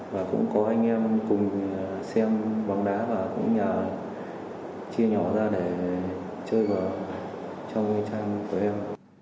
và cũng có anh em cùng xem bóng đá và cũng nhờ chia nhỏ ra để chơi vào trong trang của em